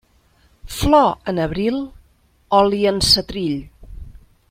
Flor en abril, oli en setrill.